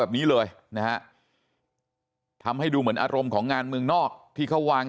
แบบนี้เลยนะฮะทำให้ดูเหมือนอารมณ์ของงานเมืองนอกที่เขาวาง